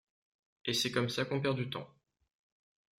Et c’est comme ça qu’on perd du temps.